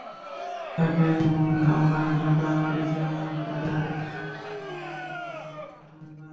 ঢাকার ধামরাইয়ের ঢাকা-আরিচা মহাসড়কে যাত্রীবাহী দুটি বাসের মুখোমুখি সংঘর্ষে তিনজন নিহত হয়েছেন।